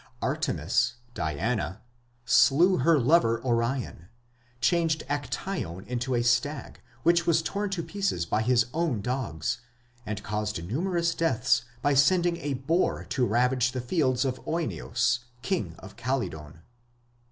Artemis (Diana) slew her lover Orion, changed Actaeon into a stag, which was torn to pieces by his own dogs, and caused numerous deaths by sending a boar to ravage the fields of Oeneus, king of Calydon.